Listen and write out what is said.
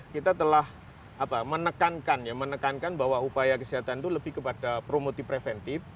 kita telah menekankan bahwa upaya kesehatan itu lebih kepada promotif preventif